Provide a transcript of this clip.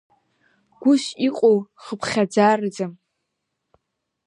Гәыс иҟоу, хыԥхьаӡараӡам.